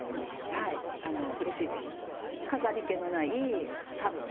はいうれしいです。